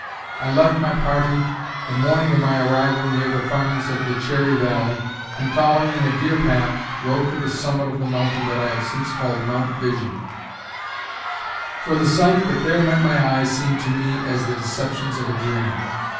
I left my party, the morning of my arrival, near the farms of the Cherry Valley, and, following a deer path, rode to the summit of the mountain that I have since called Mount Vision; for the sight that there met my eyes seemed to me as the deceptions of a dream.